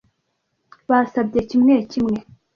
Basabye kimwe kimwe.